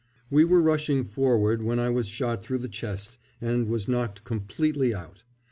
We were rushing forward when I was shot through the chest and was knocked completely out.